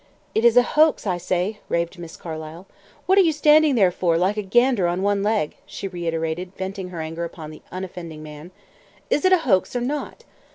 "It is a hoax, I say," raved Miss Carlyle. "What are you standing there for, like a gander on one leg?" she reiterated, venting her anger upon the unoffending man. "Is it a hoax or not?"